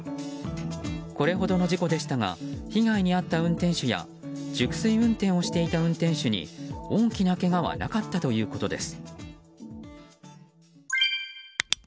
これほどの事故でしたが被害に遭った運転手や熟睡運転をしていた運転手に大きなけがはなかったということです。